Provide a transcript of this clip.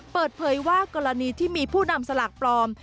เปิดเผยว่ากรณีที่มีผู้นำสลากปลอม